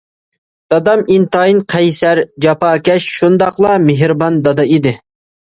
دادام ئىنتايىن قەيسەر، جاپاكەش، شۇنداقلا مېھرىبان دادا ئىدى.